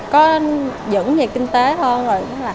có dẫn về kinh tế hơn rồi